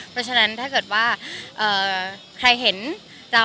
เพราะฉะนั้นถ้าเกิดว่าใครเห็นเรา